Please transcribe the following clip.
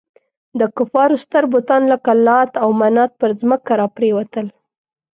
د کفارو ستر بتان لکه لات او منات پر ځمکه را پرېوتل.